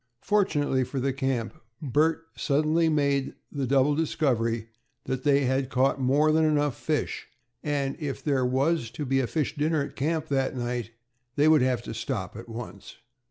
Fortunately for the camp, Bert suddenly made the double discovery that they had more than enough fish, and that if there was to be a fish dinner at camp that night, they would have to stop at once.